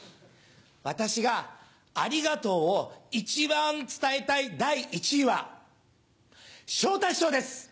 私が「ありがとう」を一番伝えたい第１位は昇太師匠です！